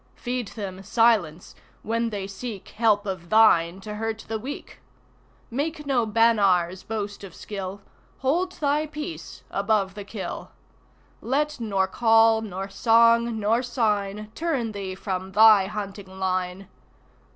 Feed them silence when they seek Help of thine to hurt the weak. Make no banaar's boast of skill; Hold thy peace above the kill. Let nor call nor song nor sign Turn thee from thy hunting line.